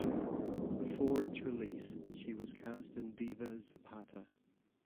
Before its release, she was cast in Viva Zapata!